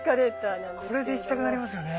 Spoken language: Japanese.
これで行きたくなりますよね。